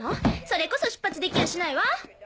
それこそ出発できやしないわ。